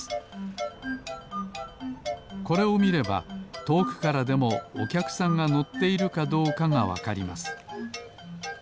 これをみればとおくからでもおきゃくさんがのっているかどうかがわかります。